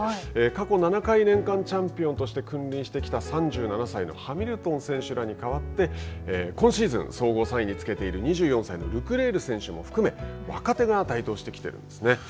過去７回、年間チャンピオンとして君臨してきた３７歳のハミルトン選手らにかわって今シーズン総合３位につけている２４歳のルクレール選手も含め若手が台頭してきているんですね。